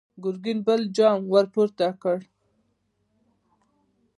ګرګين بل جام ور پورته کړ!